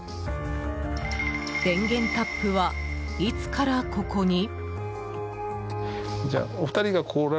電源タップは、いつからここに？